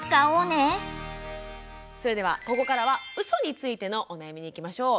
それではここからはうそについてのお悩みにいきましょう。